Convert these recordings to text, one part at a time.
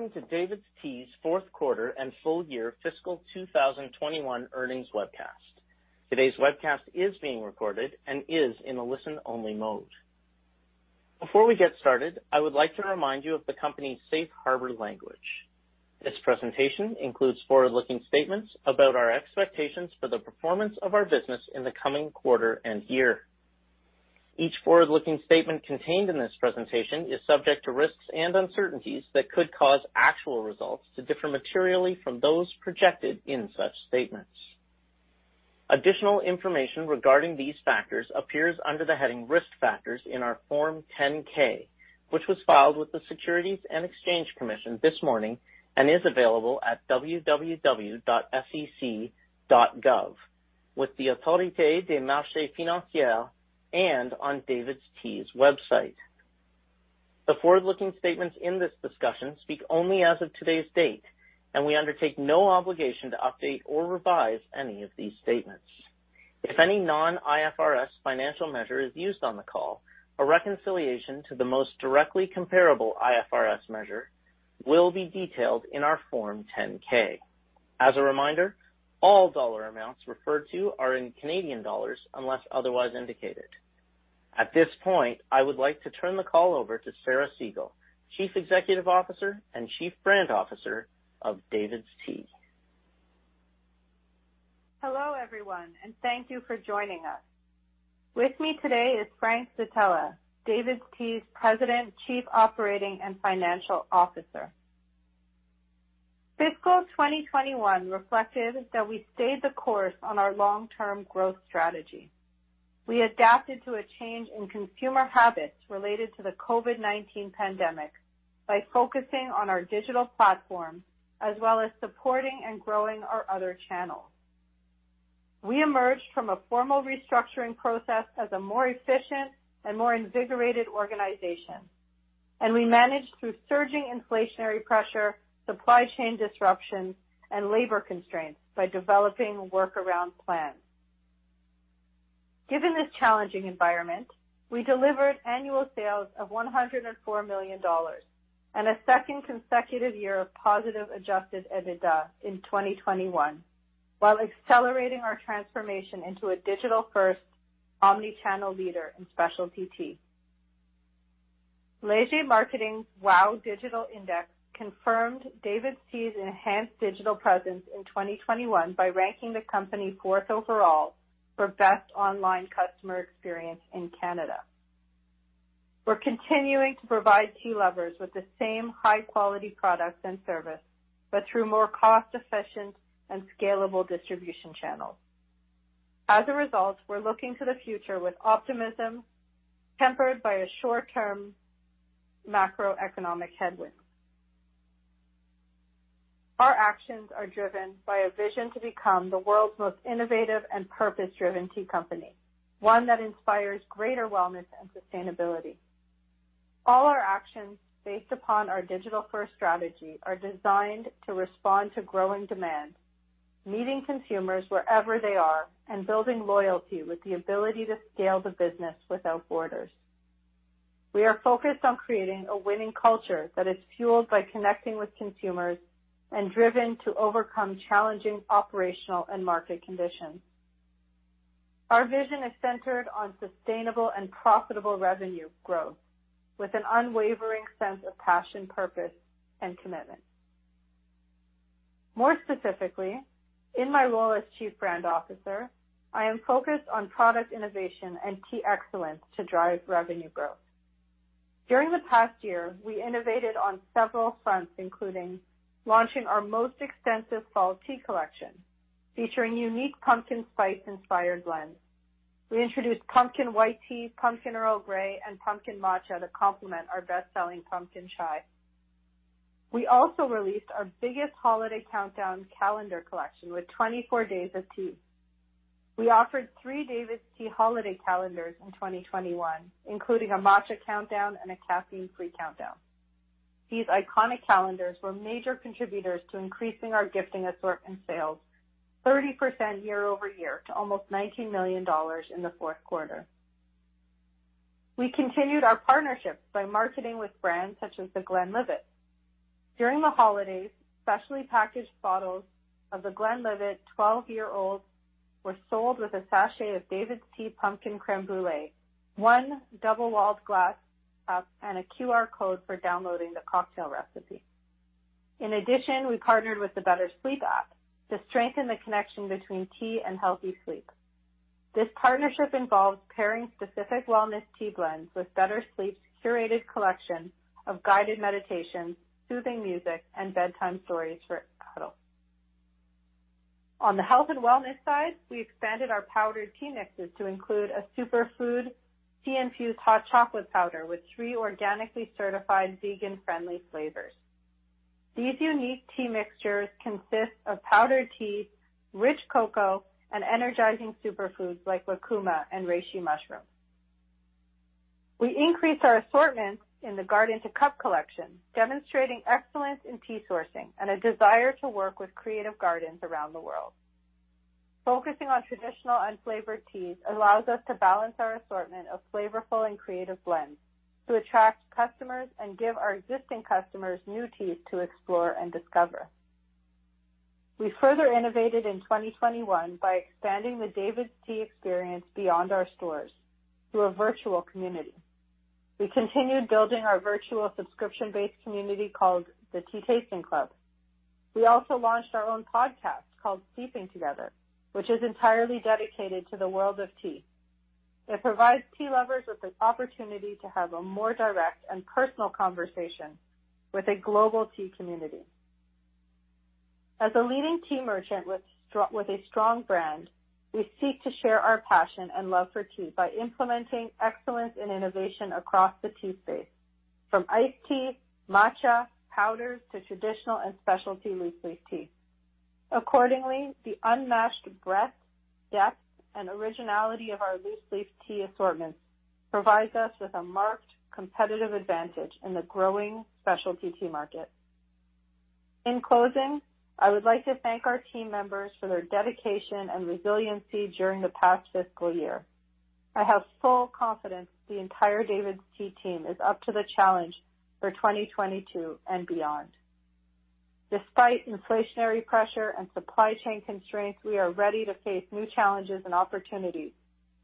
Welcome to DAVIDsTEA's Q4 and full year fiscal 2021 earnings webcast. Today's webcast is being recorded and is in a listen-only mode. Before we get started, I would like to remind you of the company's Safe Harbor language. This presentation includes forward-looking statements about our expectations for the performance of our business in the coming quarter and year. Each forward-looking statement contained in this presentation is subject to risks and uncertainties that could cause actual results to differ materially from those projected in such statements. Additional information regarding these factors appears under the heading Risk Factors in our Form 10-K, which was filed with the Securities and Exchange Commission this morning and is available at www.sec.gov with the Autorité des marchés financiers and on DAVIDsTEA's website. The forward-looking statements in this discussion speak only as of today's date, and we undertake no obligation to update or revise any of these statements. If any non-IFRS financial measure is used on the call, a reconciliation to the most directly comparable IFRS measure will be detailed in our Form 10-K. As a reminder, all dollar amounts referred to are in Canadian dollars unless otherwise indicated. At this point, I would like to turn the call over to Sarah Segal, Chief Executive Officer and Chief Brand Officer of DAVIDsTEA. Hello, everyone, and thank you for joining us. With me today is Frank Zitella, DAVIDsTEA's President, Chief Operating and Financial Officer. Fiscal 2021 reflected that we stayed the course on our long-term growth strategy. We adapted to a change in consumer habits related to the COVID-19 pandemic by focusing on our digital platform as well as supporting and growing our other channels. We emerged from a formal restructuring process as a more efficient and more invigorated organization, and we managed through surging inflationary pressure, supply chain disruptions, and labor constraints by developing workaround plans. Given this challenging environment, we delivered annual sales of 104 million dollars and a second consecutive year of positive adjusted EBITDA in 2021 while accelerating our transformation into a digital-first, omni-channel leader in specialty tea. Léger's WOW Digital Index confirmed DAVIDsTEA's enhanced digital presence in 2021 by ranking the company fourth overall for best online customer experience in Canada. We're continuing to provide tea lovers with the same high-quality products and service, but through more cost-efficient and scalable distribution channels. As a result, we're looking to the future with optimism tempered by a short-term macroeconomic headwind. Our actions are driven by a vision to become the world's most innovative and purpose-driven tea company, one that inspires greater wellness and sustainability. All our actions based upon our digital-first strategy are designed to respond to growing demand, meeting consumers wherever they are, and building loyalty with the ability to scale the business without borders. We are focused on creating a winning culture that is fueled by connecting with consumers and driven to overcome challenging operational and market conditions. Our vision is centered on sustainable and profitable revenue growth with an unwavering sense of passion, purpose, and commitment. More specifically, in my role as Chief Brand Officer, I am focused on product innovation and tea excellence to drive revenue growth. During the past year, we innovated on several fronts, including launching our most extensive fall tea collection featuring unique pumpkin spice-inspired blends. We introduced White Pumpkin Earl Grey, and Pumpkin Matcha to complement our best-selling Pumpkin Chai. We also released our biggest holiday countdown calendar collection with 24 days of tea. We offered three DAVIDsTEA holiday calendars in 2021, including a matcha countdown and a caffeine-free countdown. These iconic calendars were major contributors to increasing our gifting assortment sales 30% year-over-year to almost 19 million dollars in the Q4. We continued our partnerships by marketing with brands such as The Glenlivet. During the holidays, specially packaged bottles of The Glenlivet 12 Year Old were sold with a sachet of DAVIDsTEA Pumpkin Crème Brûlée, one double-walled glass cup, and a QR code for downloading the cocktail recipe. In addition, we partnered with the BetterSleep app to strengthen the connection between tea and healthy sleep. This partnership involves pairing specific wellness tea blends with BetterSleep's curated collection of guided meditations, soothing music, and bedtime stories for adults. On the health and wellness side, we expanded our powdered tea mixes to include a superfood tea-infused hot chocolate powder with three organically certified vegan-friendly flavors. These unique tea mixtures consist of powdered tea, rich cocoa, and energizing superfoods like lucuma and reishi mushroom. We increased our assortment in the Garden to Cup collection, demonstrating excellence in tea sourcing and a desire to work with creative gardens around the world. Focusing on traditional unflavored teas allows us to balance our assortment of flavorful and creative blends to attract customers and give our existing customers new teas to explore and discover. We further innovated in 2021 by expanding the DAVIDsTEA experience beyond our stores through a virtual community. We continued building our virtual subscription-based community called the Tea Tasting Club. We also launched our own podcast called Steeping Together, which is entirely dedicated to the world of tea. It provides tea lovers with the opportunity to have a more direct and personal conversation with a global tea community. As a leading tea merchant with a strong brand, we seek to share our passion and love for tea by implementing excellence and innovation across the tea space, from iced tea, matcha, powders, to traditional and specialty loose leaf tea. Accordingly, the unmatched breadth, depth, and originality of our loose leaf tea assortments provides us with a marked competitive advantage in the growing specialty tea market. In closing, I would like to thank our team members for their dedication and resiliency during the past fiscal year. I have full confidence the entire DAVIDsTEA team is up to the challenge for 2022 and beyond. Despite inflationary pressure and supply chain constraints, we are ready to face new challenges and opportunities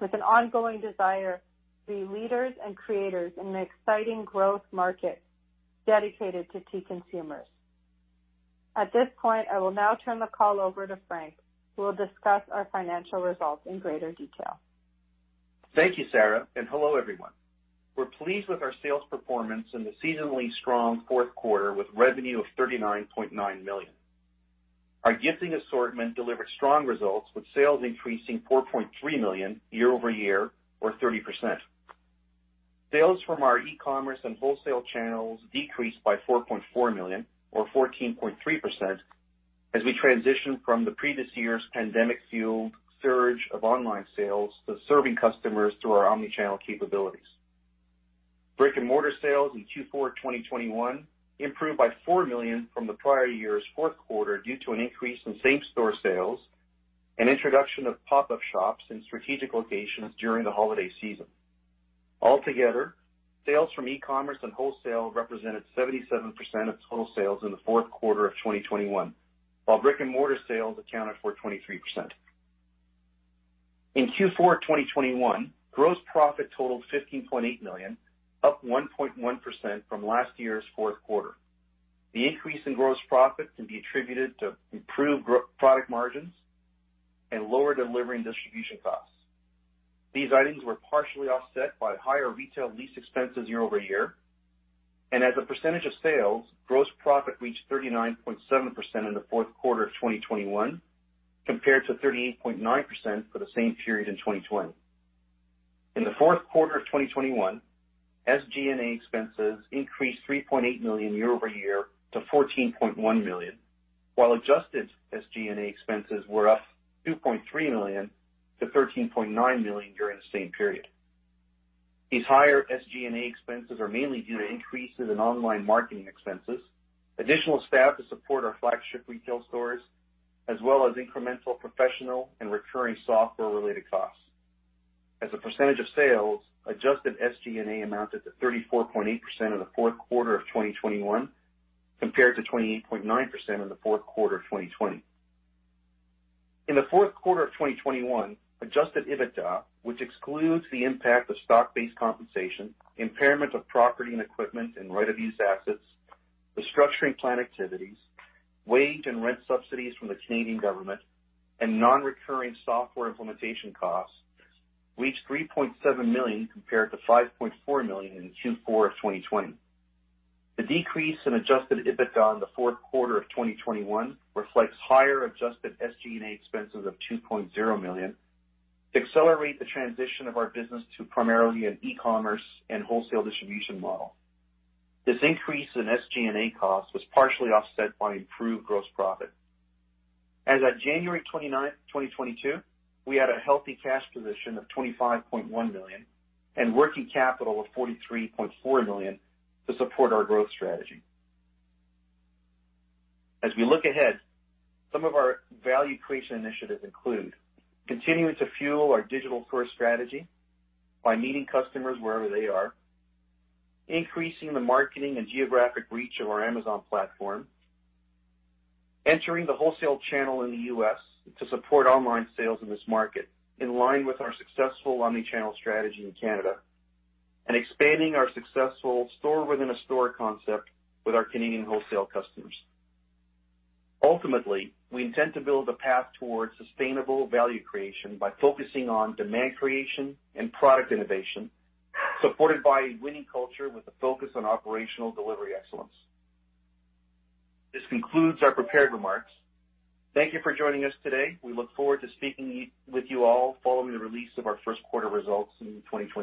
with an ongoing desire to be leaders and creators in an exciting growth market dedicated to tea consumers. At this point, I will now turn the call over to Frank, who will discuss our financial results in greater detail. Thank you, Sarah, and hello, everyone. We're pleased with our sales performance in the seasonally strong Q4 with revenue of 39.9 million. Our gifting assortment delivered strong results with sales increasing 4.3 million year-over-year or 30%. Sales from our e-commerce and wholesale channels decreased by 4.4 million or 14.3% as we transition from the previous year's pandemic-fueled surge of online sales to serving customers through our omni-channel capabilities. Brick-and-mortar sales in Q4 of 2021 improved by 4 million from the prior year's Q4 due to an increase in same-store sales and introduction of pop-up shops in strategic locations during the holiday season. Altogether, sales from e-commerce and wholesale represented 77% of total sales in the Q4 of 2021, while brick-and-mortar sales accounted for 23%. In Q4 of 2021, gross profit totaled 15.8 million, up 1.1% from last year's Q4. The increase in gross profit can be attributed to improved product margins and lower delivery and distribution costs. These items were partially offset by higher retail lease expenses year-over-year and as a percentage of sales, gross profit reached 39.7% in the Q4 of 2021 compared to 38.9% for the same period in 2020. In the Q4 of 2021, SG&A expenses increased 3.8 million year-over-year to 14.1 million, while adjusted SG&A expenses were up 2.3 million to 13.9 million during the same period. These higher SG&A expenses are mainly due to increases in online marketing expenses, additional staff to support our flagship retail stores, as well as incremental professional and recurring software-related costs. As a percentage of sales, adjusted SG&A amounted to 34.8% in the Q4 of 2021 compared to 28.9% in the Q4 of 2020. In the Q4 of 2021, adjusted EBITDA, which excludes the impact of stock-based compensation, impairment of property and equipment and right of use assets, the restructuring plan activities, wage and rent subsidies from the Canadian government, and non-recurring software implementation costs reached 3.7 million compared to 5.4 million in Q4 of 2020. The decrease in adjusted EBITDA in the Q4 of 2021 reflects higher adjusted SG&A expenses of 2.0 million to accelerate the transition of our business to primarily an e-commerce and wholesale distribution model. This increase in SG&A cost was partially offset by improved gross profit. As at January 29th, 2022, we had a healthy cash position of 25.1 million and working capital of 43.4 million to support our growth strategy. As we look ahead, some of our value creation initiatives include continuing to fuel our digital-first strategy by meeting customers wherever they are, increasing the marketing and geographic reach of our Amazon platform, entering the wholesale channel in the US to support online sales in this market in line with our successful omni-channel strategy in Canada, and expanding our successful store within a store concept with our Canadian wholesale customers. Ultimately, we intend to build a path towards sustainable value creation by focusing on demand creation and product innovation, supported by a winning culture with a focus on operational delivery excellence. This concludes our prepared remarks. Thank you for joining us today. We look forward to speaking with you all following the release of our Q1 results in 2022.